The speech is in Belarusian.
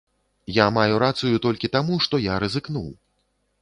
Я маю рацыю толькі таму, што я рызыкнуў.